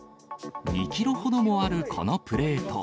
２キロほどもあるこのプレート。